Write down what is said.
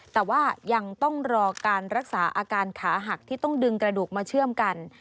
แต่ว่ายังต้องรอการรักษาอาการขาหักที่ต้องดึงกระดูกมาเชื่อมกัน